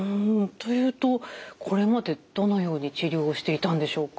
というとこれまでどのように治療をしていたんでしょうか？